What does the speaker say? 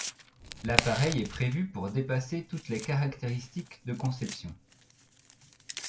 L'appareil est prévu pour dépasser toutes les caractéristiques de conception.